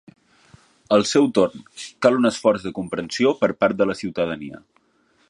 Al seu torn, cal un esforç de comprensió per part de la ciutadania.